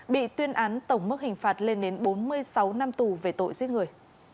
bị tuyên án tổng mức hình phạt lên đến bốn mươi sáu năm tù về tội giết người